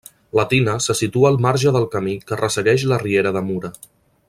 La tina se situa al marge del camí que ressegueix la riera de Mura.